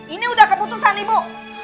ini udah keputusan ibu